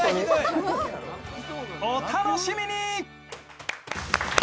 お楽しみに！